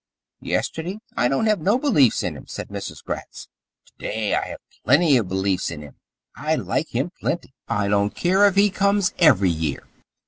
"Yesterday I don't have no beliefs in him," said Mrs. Gratz. "To day I have plenty of beliefs in him. I like him plenty. I don't care if he comes every year."